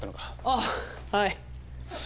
あっはい！